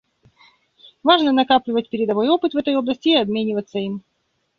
Важно накапливать передовой опыт в этой области и обмениваться им.